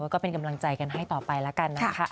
ก็เป็นกำลังใจกันให้ต่อไปแล้วกันนะคะ